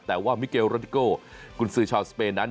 แต่ว่ามิเกลรอดิโกคุณสืชาวสเปน